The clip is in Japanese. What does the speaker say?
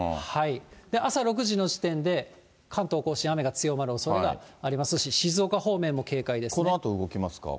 朝６時の時点で、関東甲信、雨が強まるおそれがありますし、このあと動きますか。